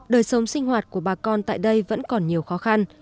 đời sống sinh hoạt của bà con tại đây vẫn còn nhiều khó khăn